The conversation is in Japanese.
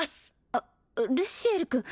あルシエル君